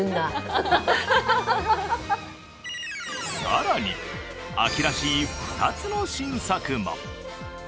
更に、秋らしい２つの新作も。